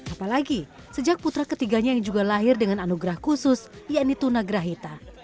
apalagi sejak putra ketiganya yang juga lahir dengan anugerah khusus yaitu nagra hita